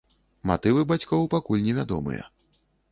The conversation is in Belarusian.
Матывы бацькоў пакуль невядомыя.